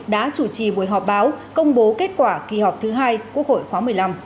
đã chủ trì buổi họp báo công bố kết quả kỳ họp thứ hai quốc hội khóa một mươi năm